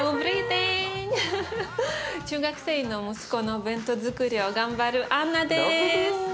中学生の息子のお弁当づくりを頑張るアンナです。